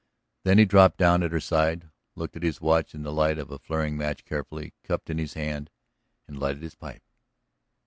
Then he dropped down at her side, looked at his watch in the light of a flaring match carefully cupped in his hand, and lighted his pipe.